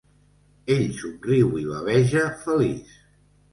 Ell somriu i baveja feliç.